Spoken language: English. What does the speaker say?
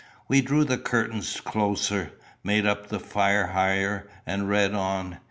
We drew the curtains closer, made up the fire higher, and read on.